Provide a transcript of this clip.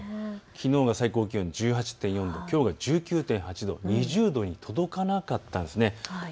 きのうが最高気温１８．４度、きょうは１９．８度、２０度に届かなかったんです。